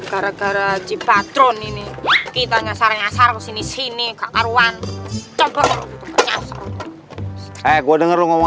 gara gara cipatron ini kita nyasar nyasar sini sini kakaruan coba coba denger ngomong